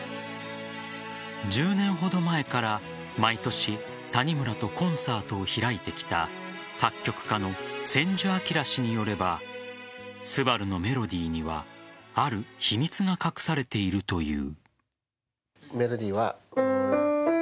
１０年ほど前から、毎年谷村とコンサートを開いてきた作曲家の千住明氏によれば「昴」のメロディーにはある秘密が隠されているという。